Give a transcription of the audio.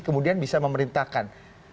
kemudian bisa memerintahkan